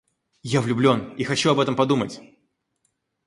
Я влюблён и хочу об этом подумать.